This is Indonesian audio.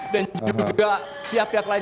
dan juga pihak pihak lain